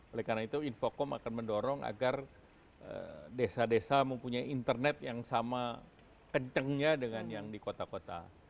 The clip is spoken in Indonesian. oleh karena itu infocom akan mendorong agar desa desa mempunyai internet yang sama kencengnya dengan yang di kota kota